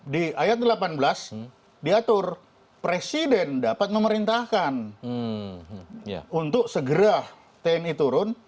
di ayat delapan belas diatur presiden dapat memerintahkan untuk segera tni turun